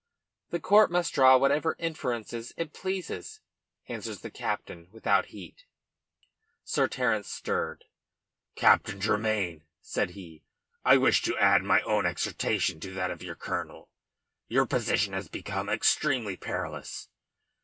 "The court must draw whatever inference it pleases," answered the captain without heat. Sir Terence stirred. "Captain Tremayne," said he, "I wish to add my own exhortation to that of your colonel! Your position has become extremely perilous.